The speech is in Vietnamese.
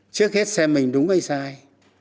trước hết xem mình đúng hay sai